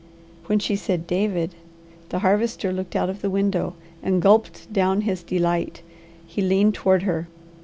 When she said "David," the Harvester looked out of the window and gulped down his delight. He leaned toward her.